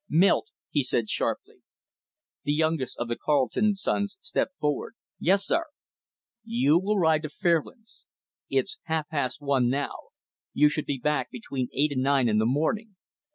"Milt," he said sharply. The youngest of the Carleton sons stepped forward. "Yes, sir." "You will ride to Fairlands. It's half past one, now. You should be back between eight and nine in the morning.